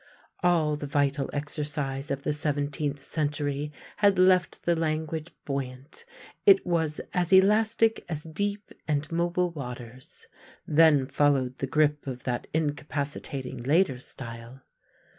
All the vital exercise of the seventeenth century had left the language buoyant; it was as elastic as deep and mobile waters; then followed the grip of that incapacitating later style.